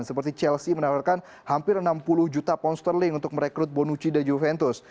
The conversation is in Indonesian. seperti chelsea menawarkan hampir enam puluh juta pound sterling untuk merekrut bonucci dan juventus